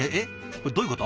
これどういうこと？